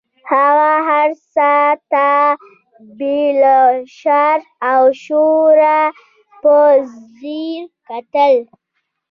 هغه هر څه ته بې له شر او شوره په ځیر کتل.